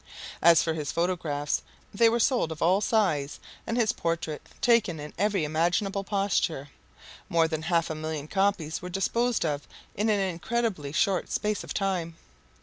As for his photographs, they were sold of all size, and his portrait taken in every imaginable posture. More than half a million copies were disposed of in an incredibly short space of time.